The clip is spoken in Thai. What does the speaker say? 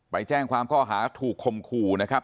ไปแจ้งความข้อหาถูกคมขู่นะครับ